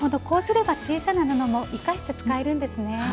こうすれば小さな布も生かして使えるんですね。